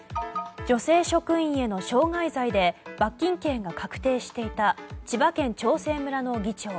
女性職員への傷害罪で罰金刑が確定していた千葉県長生村の議長。